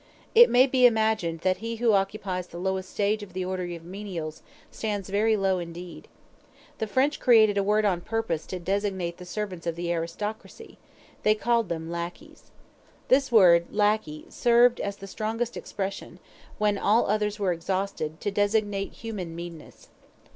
It may be imagined that he who occupies the lowest stage of the order of menials stands very low indeed. The French created a word on purpose to designate the servants of the aristocracy they called them lackeys. This word "lackey" served as the strongest expression, when all others were exhausted, to designate human meanness.